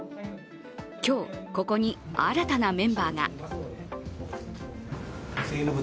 今日、ここに新たなメンバーが。